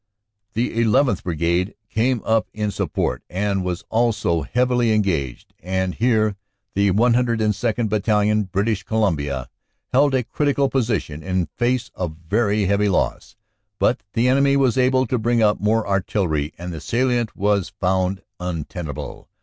The 1 1th. Brigade came up in support and was also heavily engaged, and here the 102nd. Battalion, British Columbia, held a critical position in face of very heavy loss. But the enemy was able to bring up more artillery and the salient was found untenable.